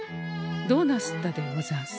どうなすったでござんす？